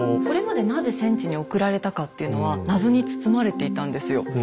これまでなぜ戦地に送られたかというのは謎に包まれていたんですよ。